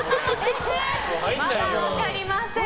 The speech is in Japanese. まだ分かりません。